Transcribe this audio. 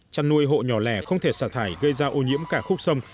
chăn nuôi hộ nhỏ lẻ không thể xả thải gây ra ô nhiễm cả khúc sông